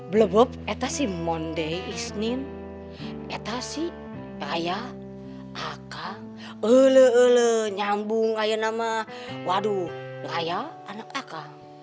belabab itu sih monde isnin itu sih raya aku ule ule nyambung kayak nama waduh raya anak aku